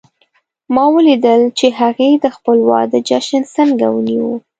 ما ولیدل چې هغې د خپل واده جشن څنګه ونیو